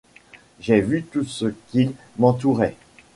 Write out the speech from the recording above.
J’ai vu tout ce qui m’entourait.